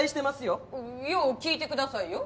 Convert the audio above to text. よう聞いてくださいよ。